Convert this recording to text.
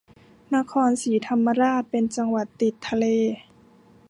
นครศรีธรรมราชเป็นจังหวัดติดทะเล